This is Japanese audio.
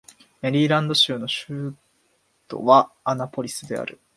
メリーランド州の州都はアナポリスである